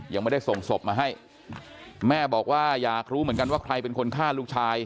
ยังไม่ได้ส่งศพมาให้แม่บอกว่าอยากรู้เหมือนกันว่าใครเป็นคนฆ่าลูกชาย